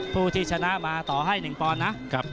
ผู้ที่ชนะมาต่อให้๑ปอนด์นะ